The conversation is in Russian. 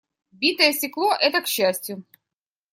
Битое стекло - это к счастью.